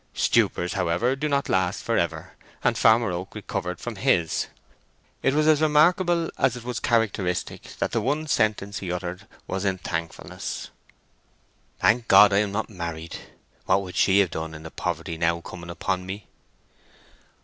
Stupors, however, do not last for ever, and Farmer Oak recovered from his. It was as remarkable as it was characteristic that the one sentence he uttered was in thankfulness:— "Thank God I am not married: what would she have done in the poverty now coming upon me!"